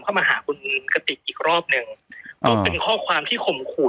เข้ามาหาคุณกติกอีกรอบหนึ่งก็เป็นข้อความที่ข่มขู่